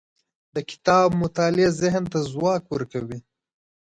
د کتاب مطالعه ذهن ته ځواک ورکوي.